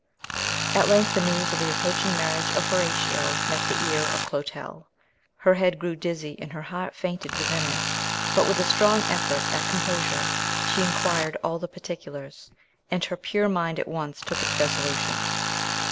AT length the news of the approaching marriage of Horatio met the ear of Clotel. Her head grew dizzy, and her heart fainted within her; but, with a strong effort at composure, she inquired all the particulars, and her pure mind at once took its resolution.